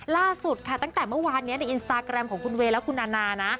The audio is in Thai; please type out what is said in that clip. ล่าสุดค่ะตั้งแต่เมื่อวานนี้ในอินสตาแกรมของคุณเวย์และคุณอาณานะ